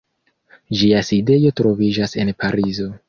Ĝia sidejo troviĝas en Parizo.